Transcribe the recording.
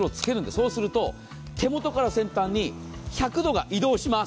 そうすると手元から先端に１００度が移動します。